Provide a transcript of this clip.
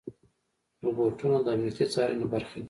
روبوټونه د امنیتي څارنې برخه دي.